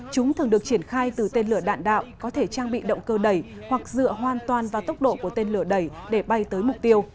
chúng thường được triển khai từ tên lửa đạn đạo có thể trang bị động cơ đẩy hoặc dựa hoàn toàn vào tốc độ của tên lửa đẩy để bay tới mục tiêu